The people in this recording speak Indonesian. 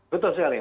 betul sekali ya